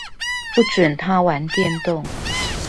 不准他玩電動